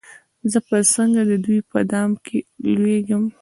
زه به څرنګه د دوی په دام کي لوېږم